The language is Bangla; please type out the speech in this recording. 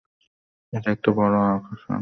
এটা একটা বড় আশার দিক।